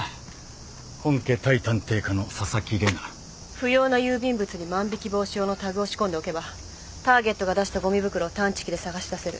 不要な郵便物に万引防止用のタグを仕込んでおけばターゲットが出したごみ袋を探知機で捜し出せる。